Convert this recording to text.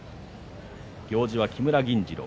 行司は木村銀治郎。